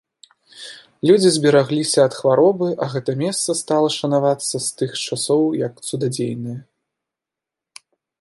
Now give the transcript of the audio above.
Людзі зберагліся ад хваробы, а гэта месца стала шанавацца з тых часоў як цудадзейнае.